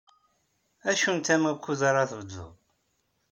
Acu n tama ukud ara tbeddeḍ?